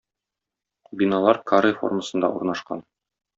Биналар каре формасында урнашкан.